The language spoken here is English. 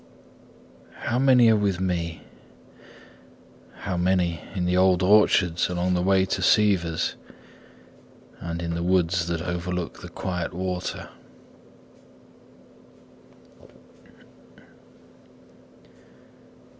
How many are with me, how many In the old orchards along the way to Siever's, And in the woods that overlook The quiet water?